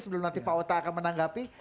sebelum nanti pak ota akan menanggapi